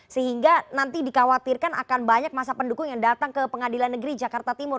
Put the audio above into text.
sehingga nanti dikhawatirkan akan banyak masa pendukung yang datang ke pengadilan negeri jakarta timur